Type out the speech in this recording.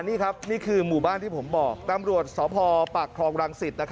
นี่คือหมู่บ้านที่ผมบอกตำรวจสอบภอปรักษ์พรองรังศิษฐ์